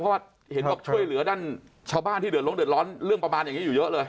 เพราะว่าเห็นว่าช่วยเหลือด้านชาวบ้านที่เป็นเรื่องประมาณอย่างนี้อยู่เยอะเลย